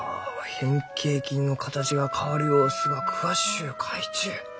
変形菌の形が変わる様子が詳しゅう書いちゅう。